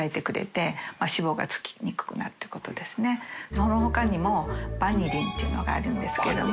その他にもバニリンというのがあるんですけども。